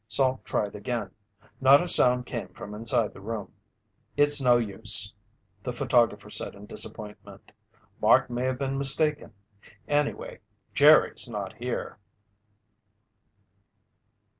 Salt tried again. Not a sound came from inside the room. "It's no use," the photographer said in disappointment. "Mark may have been mistaken. Anyway, Jerry's not here."